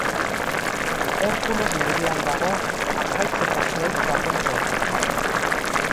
Herkules mendian dago, harkaitz eta zuhaitz baten kontra.